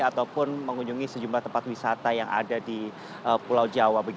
ataupun mengunjungi sejumlah tempat wisata yang ada di pulau jawa